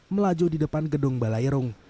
melaju di depan gedung balairung